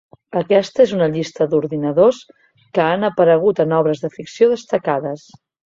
Aquesta és una llista d'ordinadors que han aparegut en obres de ficció destacades.